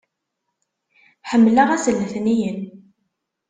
Ḥemmleɣ ass n letniyen!